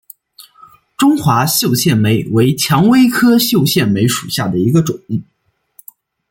中华绣线梅为蔷薇科绣线梅属下的一个种。